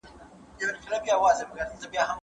که موضوع نوي وي نو هر څوک ورته پاملرنه کوي.